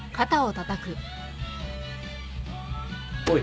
おい。